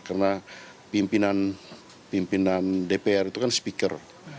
karena pimpinan dpr itu kan speaker